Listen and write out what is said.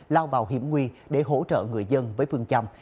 lao vào hiểm nguyên để hỗ trợ người dân với phương chăm